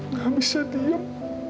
nggak bisa diam